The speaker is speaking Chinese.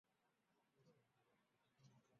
艾辛格毁灭之战的其中一个重要事件。